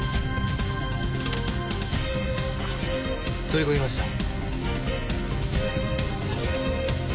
取り込みました。